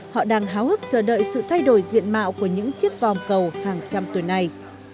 họ đang háo hức chờ đợi sự thay đổi diện mạo của những chiếc vòng cầu hàng trăm tuổi này